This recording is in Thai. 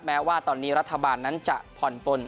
แม้ว่าตอนนี้รัฐบาลนั้นจะผ่อนปน